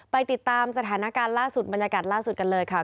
ไปติดตามสถานการณ์ล่าสุดบรรยากาศล่าสุดกันเลยค่ะ